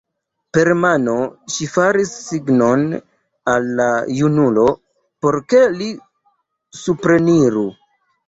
Per mano ŝi faris signon al la junulo, por ke li supreniru.